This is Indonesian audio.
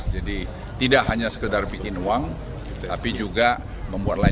jadi tidak hanya sekedar bikin uang tapi juga membuat lain